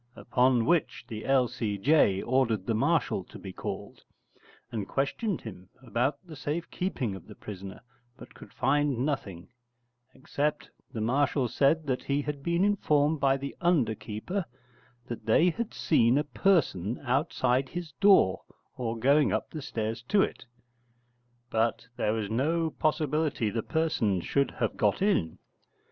Upon which the L.C.J. ordered the Marshal to be called, and questioned him about the safe keeping of the prisoner, but could find nothing: except the Marshal said that he had been informed by the underkeeper that they had seen a person outside his door or going up the stairs to it: but there was no possibility the person should have got in.